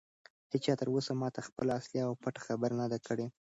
هیچا تر اوسه ماته خپله اصلي او پټه خبره نه ده کړې.